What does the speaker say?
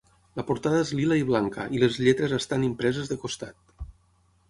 La portada és lila i blanca, i les lletres estan impreses de costat.